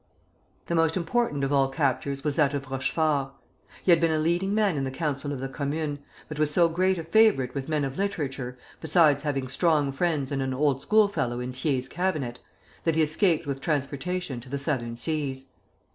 The most important of all captures was that of Rochefort. He had been a leading man in the Council of the Commune, but was so great a favorite with men of literature, besides having strong friends and an old schoolfellow in Thiers' cabinet, that he escaped with transportation to the Southern Seas.